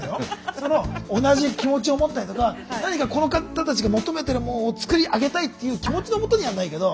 その同じ気持ちを持ったりとか何かこの方たちが求めてるもんを作り上げたいっていう気持ちのもとにやるのはいいけど。